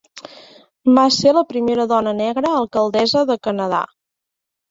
Va ser la primera dona negra alcaldessa de Canadà.